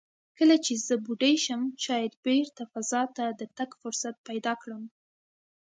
کله چې زه بوډۍ شم، شاید بېرته فضا ته د تګ فرصت پیدا کړم."